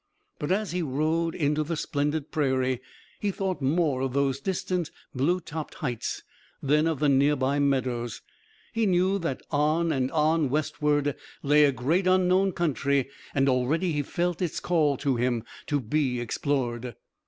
But as he rode into the splendid prairie he thought more of those distant blue topped heights than of the near by meadows; he knew that on and on westward lay a great unknown country and already he felt it call to him to be explored.